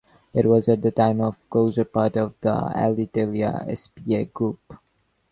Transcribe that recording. It was at the time of closure part of the Alitalia S.p.A. group.